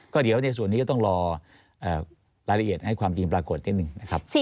ก็เดี๋ยวในส่วนนี้ก็ต้องรอรายละเอียดให้ความจริงปรากฏนิดหนึ่งนะครับ